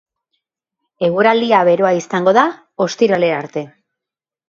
Eguraldia beroa izango da ostiralera arte.